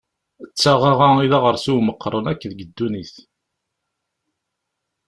D taɣaɣa i d aɣersiw meqqren akk deg ddunit.